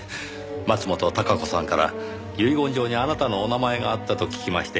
松本貴子さんから遺言状にあなたのお名前があったと聞きまして。